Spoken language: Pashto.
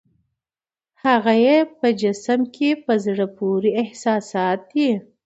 هغه یې په جسم کې په زړه پورې احساسات دي.